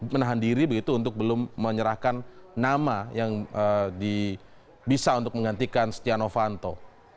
menahan diri begitu untuk belum menyerahkan nama yang bisa untuk menggantikan setia novanto